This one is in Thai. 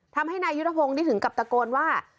ทำให้นายยุทธพงศ์ได้ถึงกับตะโกนว่า